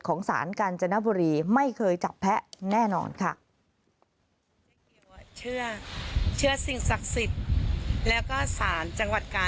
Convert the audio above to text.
สารกาญจนบุรีไม่เคยจับแพ้แน่นอนค่ะ